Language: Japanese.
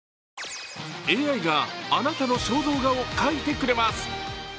ＡＩがあなたの肖像画を描いてくれます。